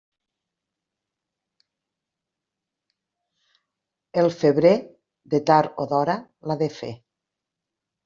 El febrer, de tard o d'hora l'ha de fer.